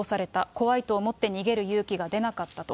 怖いと思って逃げる勇気が出なかったと。